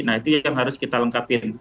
nah itu yang harus kita lengkapin